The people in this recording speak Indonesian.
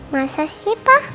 masa sih pa